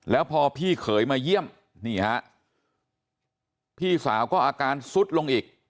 แล้วพอพี่เขยมาเยี่ยมนี่ฮะพี่สาวก็อาการซุดลงอีก